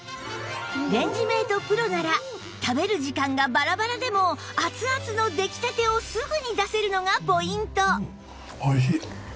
レンジメート ＰＲＯ なら食べる時間がバラバラでも熱々の出来たてをすぐに出せるのがポイント